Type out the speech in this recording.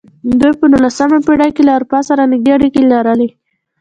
دوی په نولسمه پېړۍ کې له اروپا سره نږدې اړیکې لرلې.